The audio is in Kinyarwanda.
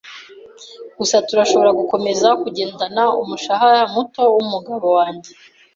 Gusa turashobora gukomeza kugendana umushahara muto wumugabo wanjye.